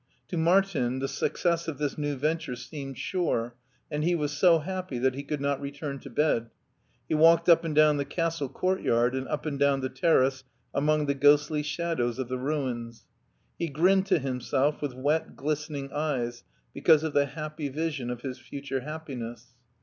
To Martin the success of this new venture seemed sure, and he was so happy that he could not return to bed. He walked up and down the castle court yard and up and down the terrace among the ghostly shadows of the ruins. He grinned to himself with wet, glistening eyes because of the happy vision of his future happiness.